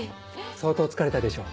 相当疲れたでしょう